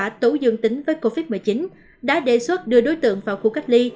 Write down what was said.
tổng bạc tủ dương tính với covid một mươi chín đã đề xuất đưa đối tượng vào khu cách ly